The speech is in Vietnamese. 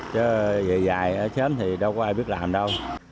chứ về dài ở chến thì đâu có ai biết làm đâu